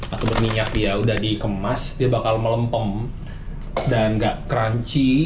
atau berminyak dia udah dikemas dia bakal melempem dan gak crunchy